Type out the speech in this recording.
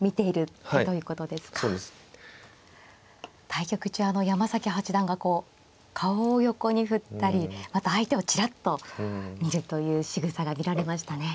対局中山崎八段がこう顔を横に振ったりまた相手をちらっと見るというしぐさが見られましたね。